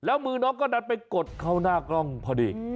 แล้วมือน้องก็ดันไปกดเข้าหน้ากล้องพอดี